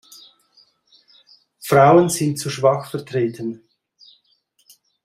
Frauen sind zu schwach vertreten.